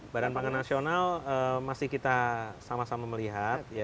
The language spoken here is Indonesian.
badan pangan nasional masih kita sama sama melihat